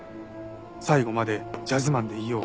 最後までジャズマンでいよう。